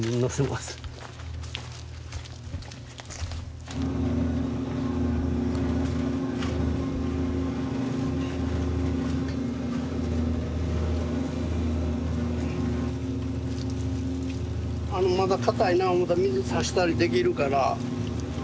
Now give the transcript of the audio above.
まだ硬いな思ったら水差したりできるから。